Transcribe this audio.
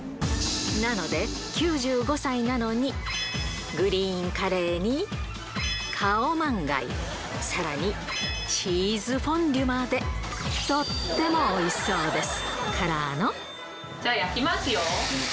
なので、９５歳なのに、グリーンカレーにカオマンガイ、さらにチーズフォンデュまで、じゃあ、焼きますよ。